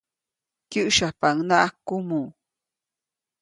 Kyäsyapaʼuŋnaʼak kumuʼ.